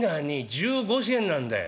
１５銭なんだよ」。